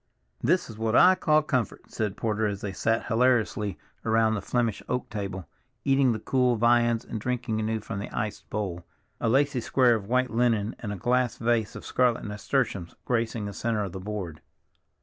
"This is what I call comfort," said Porter as they sat hilariously around the Flemish oak table, eating the cool viands and drinking anew from the iced bowl, a lacy square of white linen and a glass vase of scarlet nasturtiums gracing the center of the board.